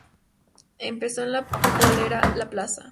Empezó en la bolera ¨La Plaza¨.